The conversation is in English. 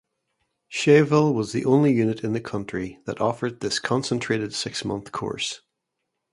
Scheyville was the only unit in the country that offered this concentrated six-month course.